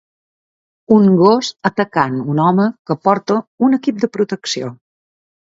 Un gos atacant un home que porta un equip de protecció.